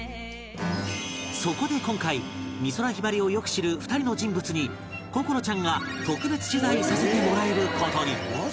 そこで今回美空ひばりをよく知る２人の人物に心愛ちゃんが特別取材させてもらえる事に